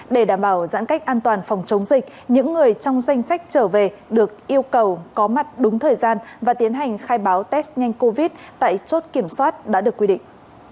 để đảm bảo giãn cách an toàn phòng chống dịch những người trong danh sách trở về được yêu cầu có mặt đúng thời gian và tiến hành khai báo test nhanh covid tại chốt kiểm soát đã được quy định